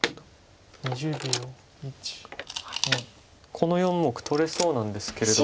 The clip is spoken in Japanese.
この４目取れそうなんですけれども。